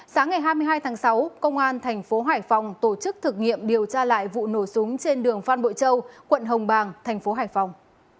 sáng ngày hai mươi hai tháng sáu công an tp hải phòng tổ chức thực nghiệm điều tra lại vụ nổ súng trên đường phan bội châu quận hồng bàng tp hải phòng